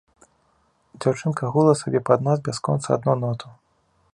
Дзяўчынка гула сабе пад нос бясконца адну ноту.